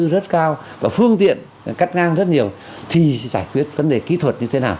rất cao và phương tiện cắt ngang rất nhiều thì giải quyết vấn đề kỹ thuật như thế nào